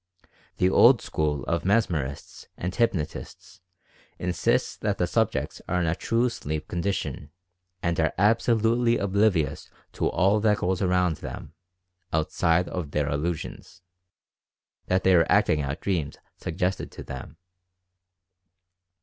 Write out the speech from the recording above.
The old school of mesmerists and hypnotists insists that the subjects are in a "true sleep" condition, and are absolutely oblivious to all that goes on around them, outside of their illusions — that they are acting out dreams suggested to them.